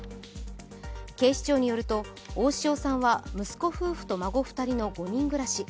警視庁によると、大塩さんは息子夫婦と孫２人の５人暮らし。